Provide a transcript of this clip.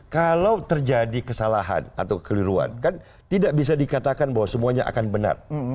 kalau terjadi kesalahan atau keliruan kan tidak bisa dikatakan bahwa semuanya akan benar